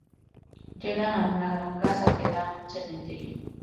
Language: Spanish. Llegan a una gran casa que da a un cementerio.